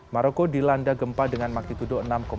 maroko dilanda gempa dengan maktitudu enam delapan